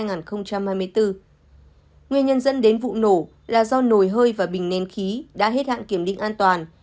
nguyên nhân dẫn đến vụ nổ là do nồi hơi và bình nén khí đã hết hạn kiểm định an toàn